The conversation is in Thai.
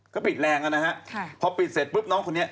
ก็ปิดแรงนะฮะพอปิดเสร็จปุ๊บน้องคนนี้